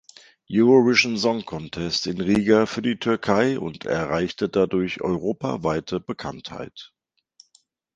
Eurovision Song Contest in Riga für die Türkei und erreichte dadurch europaweite Bekanntheit.